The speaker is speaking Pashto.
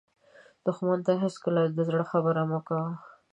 دښمن ته هېڅکله د زړه خبره مه کوه